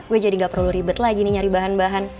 gue jadi gak perlu ribet lagi nih nyari bahan bahan